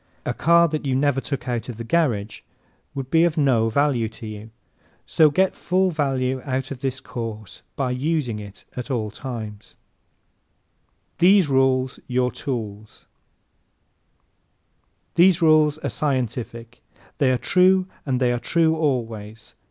A car that you never took out of the garage would be of no value to you. So get full value out of this course by using it at all times. These Rules Your Tools ¶ These rules are scientific. They are true and they are true always.